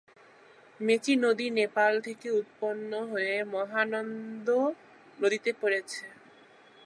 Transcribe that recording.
মেচী নদী নেপাল থেকে উৎপন্ন হয়ে মহানন্দা নদীতে পড়েছে।